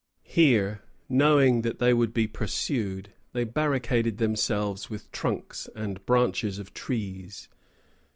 Here, knowing that they would be pursued, they barricaded themselves with trunks and branches of trees.